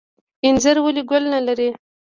انځر ولې ګل نلري؟